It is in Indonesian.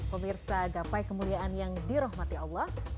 pemirsa gapai kemuliaan yang dirahmati allah